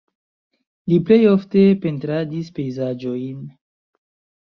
Li plej ofte pentradis pejzaĝojn.